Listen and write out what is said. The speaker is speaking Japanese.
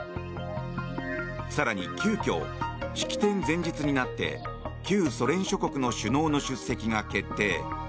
更に、急きょ式典前日になって旧ソ連諸国の首脳の出席が決定。